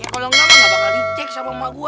ya kalo enggak emak gue ga bakal dicek sama emak gue